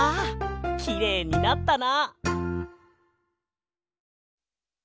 きれいになったな！